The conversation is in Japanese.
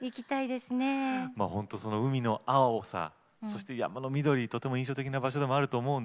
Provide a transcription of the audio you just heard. まあほんとその海の青さそして山の緑とても印象的な場所でもあると思うんですけれどもね。